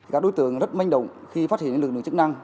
các đối tượng rất manh động khi phát hiện lực lượng chức năng